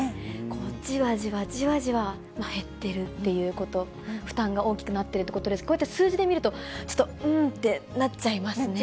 こう、じわじわじわ減ってるっていうこと、負担が大きくなってるということ、こうやって数字で見ると、ちょっと、ううんってなっちゃいますよね。